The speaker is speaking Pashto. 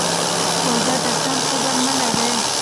کوربه د ځان کبر نه لري.